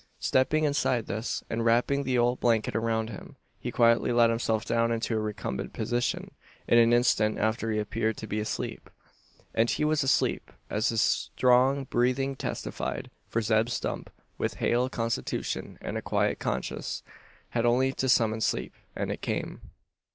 Stepping inside this, and wrapping the old blanket around him, he quietly let himself down into a recumbent position. In an instant after he appeared to be asleep. And he was asleep, as his strong breathing testified: for Zeb Stump, with a hale constitution and a quiet conscience, had only to summon sleep, and it came.